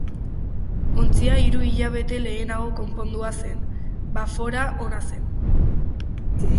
Ontzia hiru hilabete lehenago konpondua zen, bafora ona zen.